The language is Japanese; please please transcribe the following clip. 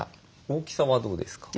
大きさはどうですか？